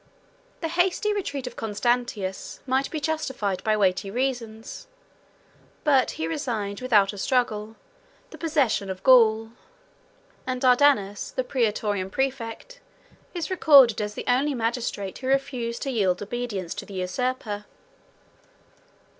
The hasty retreat of Constantius might be justified by weighty reasons; but he resigned, without a struggle, the possession of Gaul; and Dardanus, the Prætorian præfect, is recorded as the only magistrate who refused to yield obedience to the usurper.